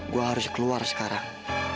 saya harus keluar sekarang